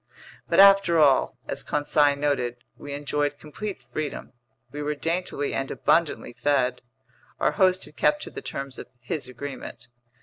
But after all, as Conseil noted, we enjoyed complete freedom, we were daintily and abundantly fed. Our host had kept to the terms of his agreement.